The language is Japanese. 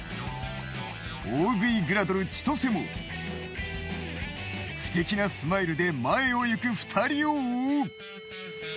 大食いグラドルちとせも不敵なスマイルで前を行く２人を追う。